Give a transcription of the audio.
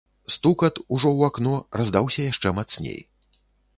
Стукат, ужо ў акно, раздаўся яшчэ мацней.